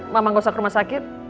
mama gak usah ke rumah sakit